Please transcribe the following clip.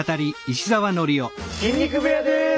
筋肉部屋です。